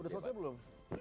udah selesai belum